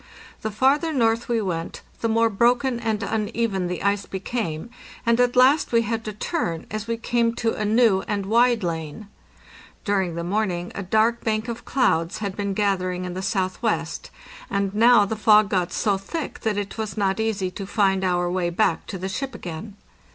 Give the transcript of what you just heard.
The farther north we went the more broken and uneven the ice became, and at last we had to turn, as we came to a new and wide lane. Dur ing the morning a dark bank of clouds had been gathering in the southwest, and now the fog got so thick that it was not easy to find our way back to the ship again.